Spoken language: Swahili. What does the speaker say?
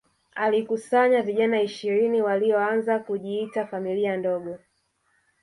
alikusanya vijana ishirini walioanza kujiita familia ndogo